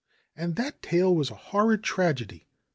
And that tale was a horrid tragedy.